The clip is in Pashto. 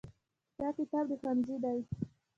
دا کتاب د ښوونځي دی.